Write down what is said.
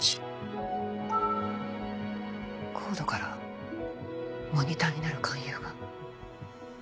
ＣＯＤＥからモニターになる勧誘が。